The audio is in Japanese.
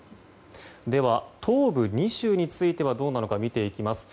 では東部２州についてはどうなのか見ていきます。